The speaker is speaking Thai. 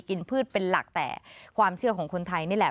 พืชเป็นหลักแต่ความเชื่อของคนไทยนี่แหละ